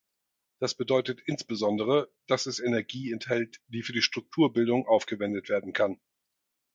Das bedeutet insbesondere, dass es Energie enthält die für die Strukturbildung aufgewendet werden kann.